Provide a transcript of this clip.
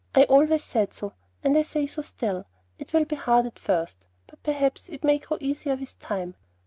I always said so, and I say so still. It will be hard at first, but perhaps it may grow easier with time."